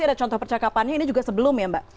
ada contoh percakapannya ini juga sebelum ya mbak